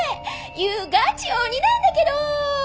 祐ガチ鬼なんだけど」。